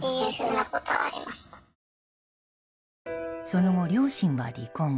その後、両親は離婚。